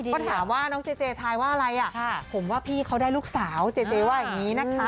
ก็ถามว่าน้องเจเจทายว่าอะไรอ่ะผมว่าพี่เขาได้ลูกสาวเจเจว่าอย่างนี้นะคะ